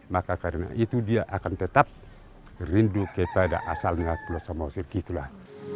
maka karena itu dia akan tetap rindu kepada asalnya pulau samosir gitulah